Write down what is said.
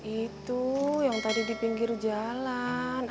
itu yang tadi di pinggir jalan